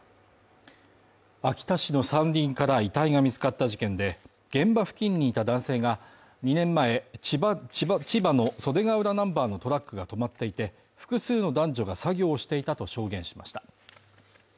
秋田市の山林から遺体が見つかった事件で、現場付近にいた男性が、２年前千葉の袖ケ浦ナンバーのトラックが止まっていて、複数の男女が作業をしていたと証言しました。